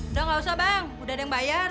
udah gak usah bang udah ada yang bayar